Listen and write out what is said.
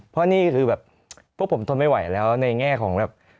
เพราะนี่คือแบบพวกผมทนไม่ไหวแล้วในแง่ของแบบ